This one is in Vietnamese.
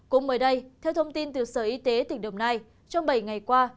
cũng mới đây theo thông tin từ sở y tế tỉnh đồng nai trong bảy ngày qua